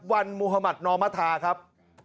วันมุธมัธนอมธาครับ